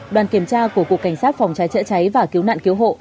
đoàn kiểm tra của cục cảnh sát phòng cháy chữa cháy và cứu nạn cứu hộ